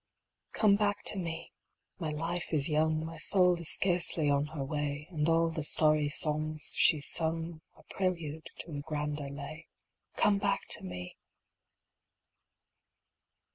back to me ! my life is young, My soul is scarcely on her way, And all the starry songs she s sung, Are prelude to a grander lay. Come back to me